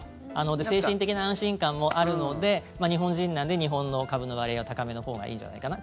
で、精神的な安心感もあるので日本人なんで日本の株の割合が高めのほうがいいんじゃないかな。